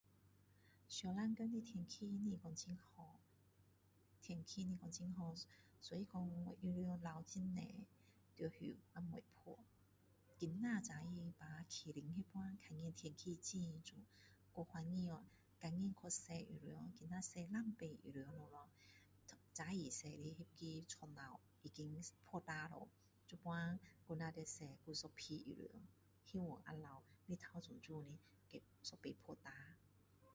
天气不会说很好所以说衣服留很多在那边还没有晒今天早上爬起来那时候看到天气很美太高兴了赶快去洗衣服只洗两次衣服早上洗的床单已经晒干了现在还在洗另外一批衣服希望下午太阳美美的一次晒干